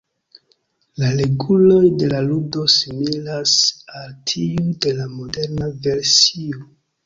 La reguloj de la ludo similas al tiuj de la moderna versio.